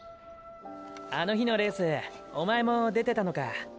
あの日のレースおまえも出てたのか。